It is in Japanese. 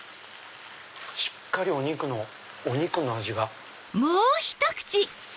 しっかりお肉のお肉の味が。